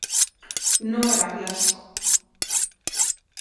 Non haberá clásico.